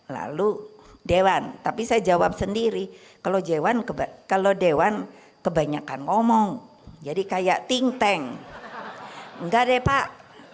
lalu dewan tapi saya jawab sendiri kalau dewan kebanyakan ngomong jadi kayak think tank enggak deh pak